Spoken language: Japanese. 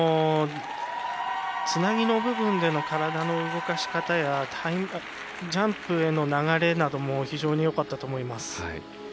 つなぎの部分での体の動かし方やジャンプへの流れなども非常によかったと思います。